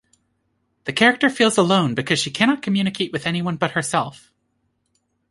The character feels alone because she cannot communicate with anyone but herself.